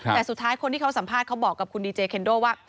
แต่สุดท้ายคนที่เขาสัมภาษณ์เขาบอกกับคุณดีเจเคนโดว่า